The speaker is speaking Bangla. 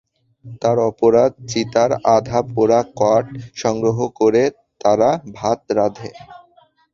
তার অপরাধ, চিতার আধা পোড়া কাঠ সংগ্রহ করে তারা ভাত রাঁধে।